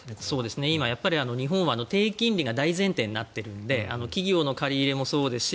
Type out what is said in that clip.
今、日本は低金利が大前提になっているので企業の借り入れもそうですし